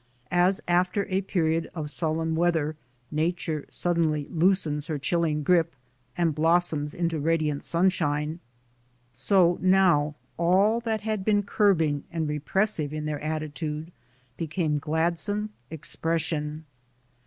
As after a period of sullen weather, Nature suddenly loosens her chilling grip and blossoms into radiant sunshine, so now all that had been curbing and repressive in their attitude became gladsome expression.